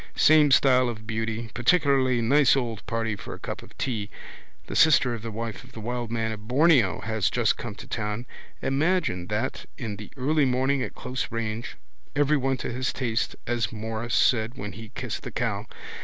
Same style of beauty. Particularly nice old party for a cup of tea. The sister of the wife of the wild man of Borneo has just come to town. Imagine that in the early morning at close range. Everyone to his taste as Morris said when he kissed the cow.